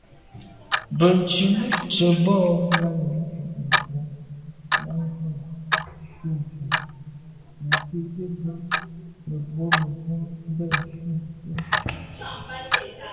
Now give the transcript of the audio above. Bə̀nntʉ̌n tsə̀ bò yα̂ lɛ̌n ncob mə̀bwɔ lα ghʉ̌ cû ntʉ̀n nə̀ zi’tə bwə, mə̀bwɔ̂mə̀bwɔ ndɛ̂ncû nswə.